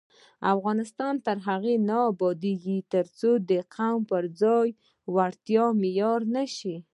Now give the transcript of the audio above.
افغانستان تر هغو نه ابادیږي، ترڅو د قوم پر ځای وړتیا معیار نشي.